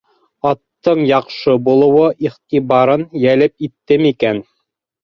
Аттың яҡшы булыуы иғтибарын йәлеп итте микән?